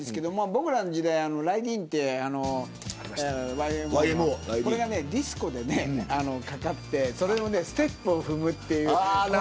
僕らの時代はＹＭＯのＲＹＤＥＥＮがディスコでかかってそれでステップを踏むという。